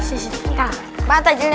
ini pak takjilnya